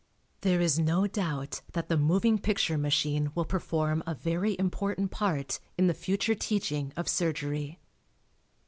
There is no doubt that the moving picture machine will perform a very important part in the future teaching of surgery.